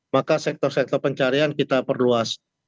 maka sektor sektor pencarian kita perluas